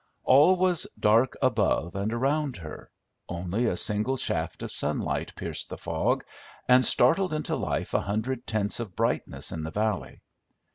All was dark above and around her; only a single shaft of sunlight pierced the fog, and startled into life a hundred tints of brightness in the valley.